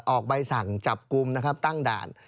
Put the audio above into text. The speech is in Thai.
ออกใบสั่งจับกลุ่มนะครับตั้งด่าน